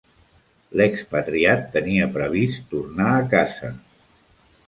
L'expatriat tenia previst tornar a casa.